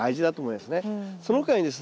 その他にですね